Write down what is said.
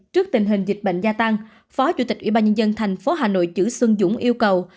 trước tình hình dịch bệnh gia tăng phó chủ tịch ủy ban nhân dân tp hà nội chữ xuân dũng yêu cầu